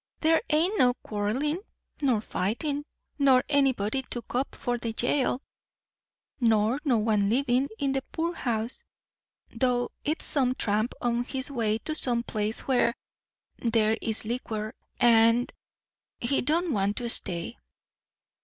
There ain't no quarrellin', nor fightin', nor anybody took up for the jail, nor no one livin' in the poorhouse 'thout it's some tramp on his way to some place where there is liquor. An' he don't want to stay."